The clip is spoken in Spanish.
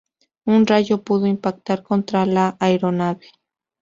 Un rayo pudo impactar contra la aeronave.